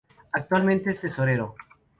Actualmente es Tesorero.